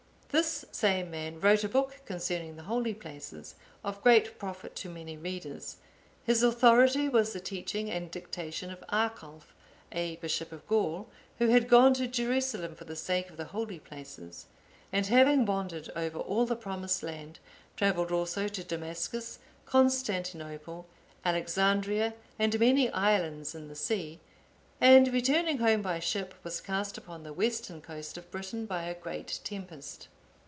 This same man wrote a book concerning the holy places, of great profit to many readers; his authority was the teaching and dictation of Arculf, a bishop of Gaul,(858) who had gone to Jerusalem for the sake of the holy places; and having wandered over all the Promised Land, travelled also to Damascus, Constantinople, Alexandria, and many islands in the sea, and returning home by ship, was cast upon the western coast of Britain by a great tempest.